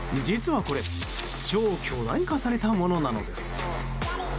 実はこれ超巨大化されたものなのです。